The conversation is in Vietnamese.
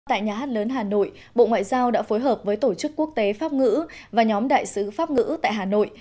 tại nhà hát lớn hà nội bộ ngoại giao đã phối hợp với tổ chức quốc tế pháp ngữ và nhóm đại sứ pháp ngữ tại hà nội